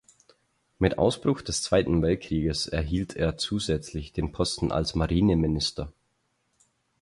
Mit Ausbruch des Zweiten Weltkrieges erhielt er zusätzlich den Posten als Marineminister.